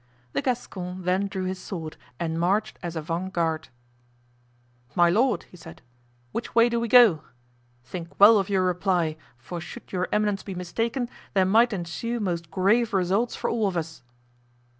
The Gascon then drew his sword and marched as avant guard. "My lord," he said, "which way do we go? Think well of your reply, for should your eminence be mistaken, there might ensue most grave results for all of us."